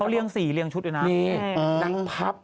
เขาเลี่ยงสีเลี่ยงชุดอยู่นะ